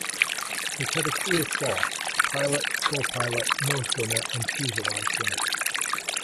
It had a crew of four: pilot, copilot, nose gunner and fuselage gunner.